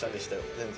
全然。